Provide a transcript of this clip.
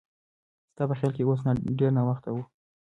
ستا په خیال اوس ډېر ناوخته دی؟